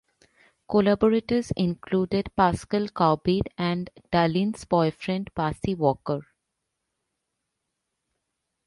Collaborators included Pascal Caubet and Dallin's boyfriend Bassey Walker.